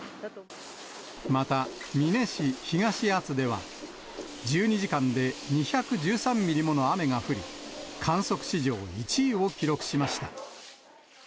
また美祢市東厚保では、１２時間で２１３ミリもの雨が降り、観測史上１位を記録しました。